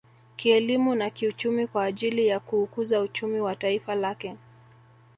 Kielimu na kiuchumi kwa ajili ya kuukuza uchumi wa taifa lake